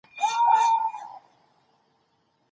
هغه وویل چې دا سفر به نه هېرېدونکی وي.